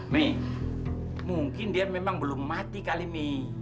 mi mungkin dia memang belum mati kali mi